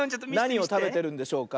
なにをたべてるんでしょうか？